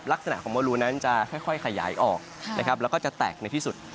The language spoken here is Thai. ลักษณะของบรูลุกนั้นจะค่อยขยายออกแล้วก็จะแตกในที่สุด